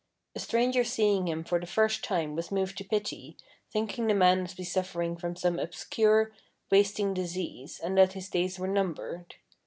A stranger seeing him for the first time was moved to pity, thinking the man must be suffering from some obscure, wasting disease, and that his days were numbered.